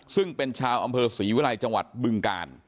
ซึ่งเป็นชาวอำเภอศรีวิรัยจังหวัดบึงกาล